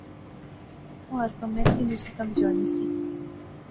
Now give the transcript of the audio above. او ہر کمے تھی نصرتا بچانی سی